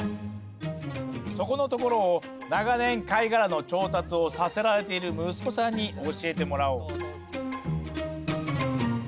そこのところを長年貝殻の調達をさせられている息子さんに教えてもらおう。